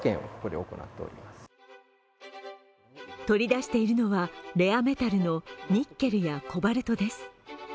取り出しているのはレアメタルのニッケルやコバルトです。